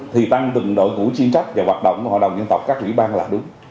thì tăng từng đội ngũ chuyên trách và hoạt động của hội đồng dân tộc các quỹ ban là đúng